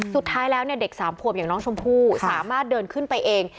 สุดท้ายแล้วเด็กสามขวบอย่างน้องชมพู่สามารถเดินขึ้นไปเอง